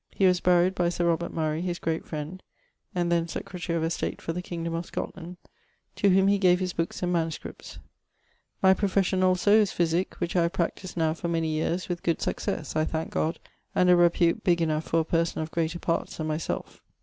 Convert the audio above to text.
He was buried by Sir Robert Murrey, his great friend (and then secretary of estate for the kingdome of Scotland); to whome he gave his bookes and MSS. My profession allso is physic, which I have practised now for many years with good successe (I thanke God) and a repute big enough for a person of greater parts than my selfe.